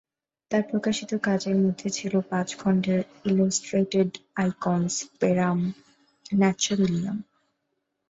তার প্রকাশিত কাজের মধ্যে ছিল পাঁচ খণ্ডের ইলাস্ট্রেটেড "আইকনস রেরাম ন্যাচারালিয়াম"।